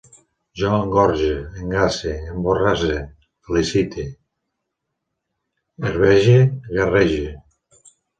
Jo engorge, engasse, emborrasse, felicite, herbege, garrege